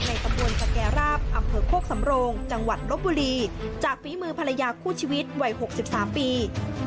ตำบลสแก่ราบอำเภอโคกสำโรงจังหวัดลบบุรีจากฝีมือภรรยาคู่ชีวิตวัย๖๓ปี